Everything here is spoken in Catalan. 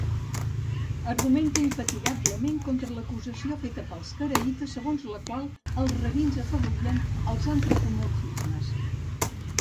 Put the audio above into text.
Argumenta infatigablement contra l'acusació feta pels caraïtes segons la qual els rabins afavorien els antropomorfismes.